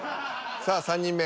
さあ３人目。